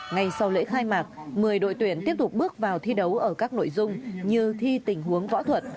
ngay sau lễ khai mạc một mươi đội tuyển tiếp tục bước vào thi đấu ở các nội dung như thi tình huống võ thuật